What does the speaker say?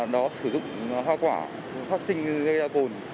đó sử dụng hoa quả phát sinh gây ra cồn